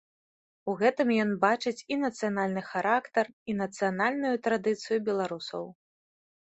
У гэтым ён бачыць і нацыянальны характар, і нацыянальную традыцыю беларусаў.